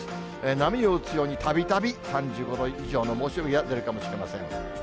波を打つようにたびたび３５度以上の猛暑日が出るかもしれません。